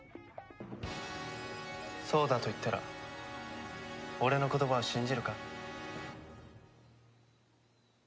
そうだと言ったら俺の言葉を信じるか？